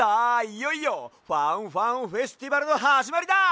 いよいよファンファンフェスティバルのはじまりだ！